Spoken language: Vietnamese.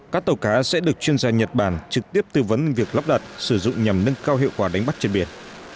các tàu cá sẽ được chuyên gia nhật bản trực tiếp tư vấn việc lắp đặt sử dụng nhằm nâng cao hiệu quả đánh bắt trên biển